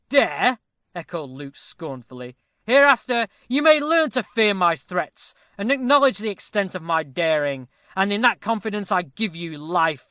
"Dare!" echoed Luke, scornfully; "hereafter, you may learn to fear my threats, and acknowledge the extent of my daring; and in that confidence I give you life.